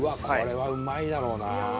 これはうまいだろうなあ。